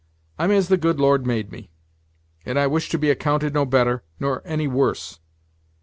"I'm as the Lord made me; and I wish to be accounted no better, nor any worse.